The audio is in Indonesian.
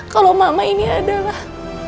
kalau mama ini adalah